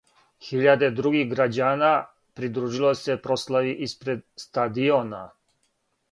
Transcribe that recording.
Хиљаде других грађана придружило се прослави испред стадиона.